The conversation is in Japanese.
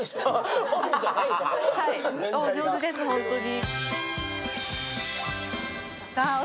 お上手です、ホントに。